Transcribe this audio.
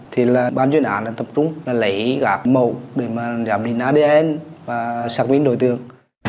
thì là bán chuyên án tập trung là lấy cả một để mà giảm định adn và xác định đồi tường